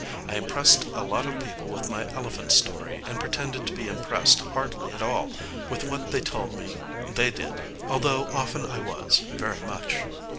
I impressed a lot of people with my elephant story and pretended to be impressed hardly at all with what they told me they did although often I was, very much.